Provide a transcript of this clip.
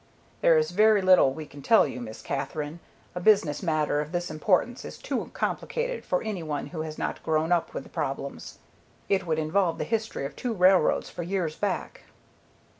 "There is very little we can tell you, Miss Katherine. A business matter of this importance is too complicated for any one who has not grown up with the problems. It would involve the history of two railroads for years back."